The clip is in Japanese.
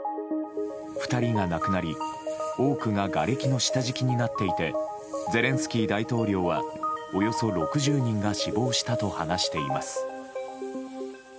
２人が亡くなり、多くががれきの下敷きになっていてゼレンスキー大統領はおよそ６０人が死亡したと話しています。